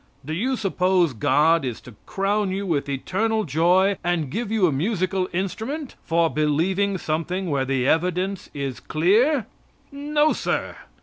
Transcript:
Do you suppose God is to crown you with eternal joy and give you a musical instrument for believing something where the evidence is clear? No, sir.